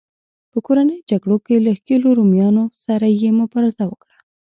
په کورنیو جګړو کې له ښکېلو رومیانو سره یې مبارزه وکړه.